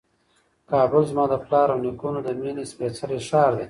کابل زما د پلار او نیکونو د مېنې سپېڅلی ښار دی.